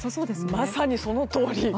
まさにそのとおり。